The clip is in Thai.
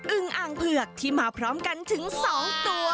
ึงอ่างเผือกที่มาพร้อมกันถึง๒ตัว